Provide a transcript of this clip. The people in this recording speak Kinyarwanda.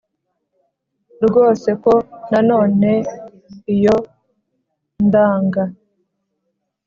Rwose ko nanone iyo ndanga